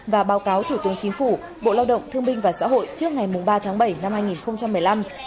và báo cáo thủ tướng chính phủ bộ lao động thương minh và xã hội trước ngày ba tháng bảy năm hai nghìn một mươi năm